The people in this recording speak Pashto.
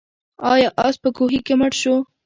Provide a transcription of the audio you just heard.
آیا آس په کوهي کې مړ شو؟